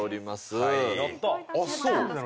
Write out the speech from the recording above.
あっそう。